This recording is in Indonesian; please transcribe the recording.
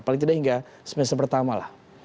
paling tidak hingga semester pertama lah